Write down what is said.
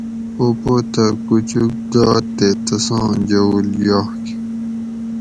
پوپوتہ کُچُک داد تے تساں جوؤڷ یاگ